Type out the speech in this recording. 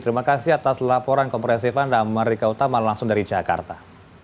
terima kasih atas laporan kompresif anda merdeka utama langsung dari jakarta